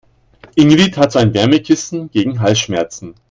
Ingrid hat so ein Wärmekissen gegen Halsschmerzen.